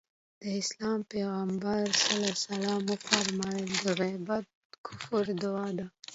د اسلام پيغمبر ص وفرمايل د غيبت کفاره دعا ده.